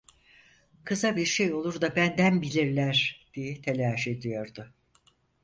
"Kıza bir şey olur da benden bilirler!" diye telaş ediyordu.